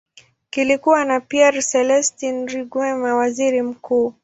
Kulikuwa na Pierre Celestin Rwigema, waziri mkuu.